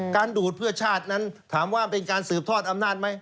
ดูดเพื่อชาตินั้นถามว่าเป็นการสืบทอดอำนาจไหม